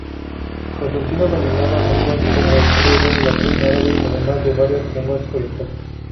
Constantino dominaba lenguas como el griego, latín, árabe, además de varias lenguas orientales.